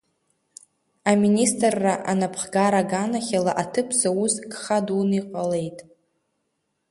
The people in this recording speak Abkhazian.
Аминистрра анаԥхгара аганахьала аҭыԥ зауз гха дуны иҟалеит.